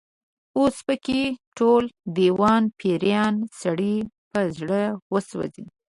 اوس په کې ټول، دېوان پيریان، سړی په زړه وسوځي